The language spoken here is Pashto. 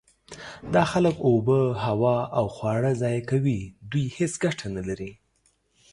دا خلک اوبه، هوا او خواړه ضایع کوي. دوی هیڅ ګټه نلري.